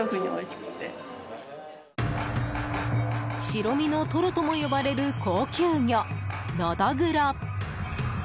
白身のトロとも呼ばれる高級魚ノドグロ。